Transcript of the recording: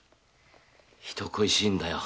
人恋しいんだよ